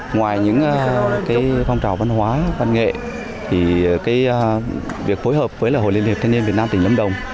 ngoài những phong trào văn hóa văn nghệ việc phối hợp với hội liên hiệp thanh niên việt nam tỉnh lâm đồng